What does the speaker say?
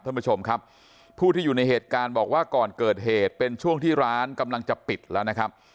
ท่านผู้ชมครับผู้ที่อยู่ในเหตุการณ์บอกว่าก่อนเกิดเหตุเป็นช่วงที่ร้านกำลังจะปิดแล้วนะครับ